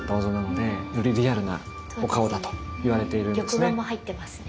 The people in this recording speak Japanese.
玉眼も入ってますね。